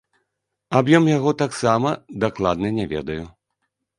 Аб'ём яго таксама дакладна не ведаю.